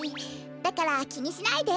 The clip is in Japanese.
だからきにしないで。